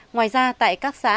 ngoài ra tại các xã